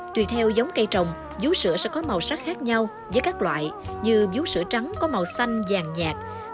tùy theo giống cây trồng bíu sữa sẽ có màu sắc khác nhau với các loại như bíu sữa trắng có màu xanh vàng nhạt bíu sữa hột gà màu hơi phớt hồng và bíu sữa tím